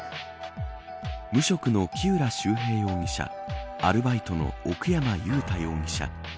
無職の木浦修平容疑者アルバイトの奥山雄太容疑者